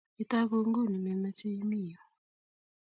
Itagu guuni memache imi yuu